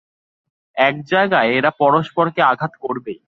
এক জায়গায় এরা পরস্পরকে আঘাত করবেই।